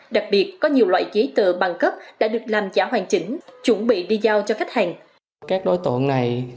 đặc biệt có nhiều loại giấy tờ bằng cấp đã được làm giả hoàn chỉnh chuẩn bị đi giao cho khách hàng